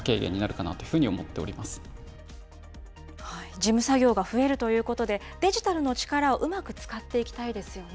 事務作業が増えるということで、デジタルの力をうまく使っていきたいですよね。